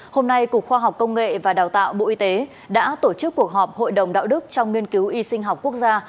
hôm nay cục khoa học công nghệ và đào tạo bộ y tế đã tổ chức cuộc họp hội đồng đạo đức trong nghiên cứu y sinh học quốc gia